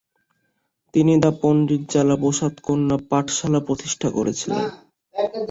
তিনি 'দ্য পণ্ডিত জ্বালা প্রসাদ কন্যা পাঠশালা' প্রতিষ্ঠা করেছিলেন।